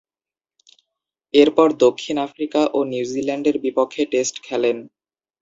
এরপর দক্ষিণ আফ্রিকা ও নিউজিল্যান্ডের বিপক্ষে টেস্ট খেলেন।